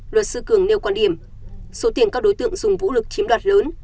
luật sư cường nêu quan điểm số tiền các đối tượng dùng vũ lực chiếm đoạt lớn